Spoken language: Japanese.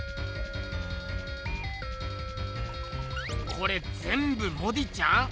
これぜんぶモディちゃん？